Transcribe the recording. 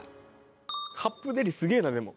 カップデリすげえなでも。